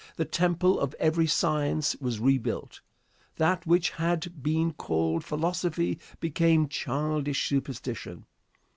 The temple of every science was rebuilt. That which had been called philosophy became childish superstition.